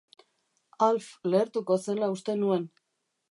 Alf lehertuko zela uste nuen.